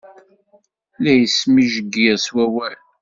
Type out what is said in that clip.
La ismejgir s wawal.